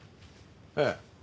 ええ。